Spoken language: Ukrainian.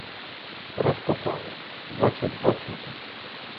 Розкопали — двадцять два трупи.